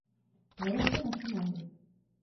Neroste na Šumavě.